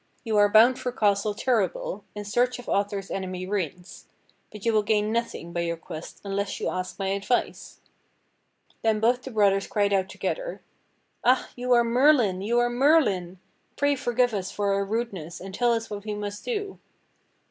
You are bound for Castle Terrabil in search of Arthur's enemy Rience. But you will gain nothing by your quest unless you ask my advice." Then both the brothers cried out together: "Ah! you are Merlin, you are Merlin! Pray forgive us for our rudeness and tell us what we must do!"